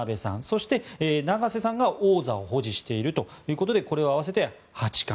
そして、永瀬さんが王座を保持しているということでこれを合わせて八冠。